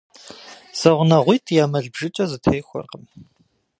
Зэгъунэгъуитӏ я мэл бжыкӏэ зэтехуэркъым.